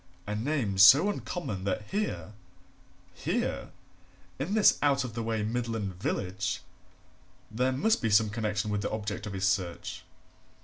A name so uncommon that here here, in this out of the way Midland village! there must be some connection with the object of his search.